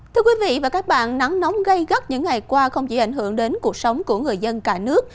thưa quý vị và các bạn nắng nóng gây gắt những ngày qua không chỉ ảnh hưởng đến cuộc sống của người dân cả nước